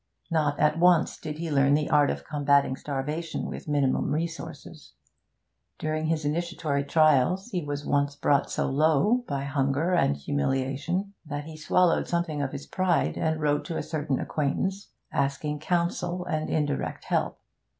Not at once did he learn the art of combating starvation with minim resources. During his initiatory trials he was once brought so low, by hunger and humiliation, that he swallowed something of his pride, and wrote to a certain acquaintance, asking counsel and indirect help.